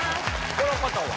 この方は？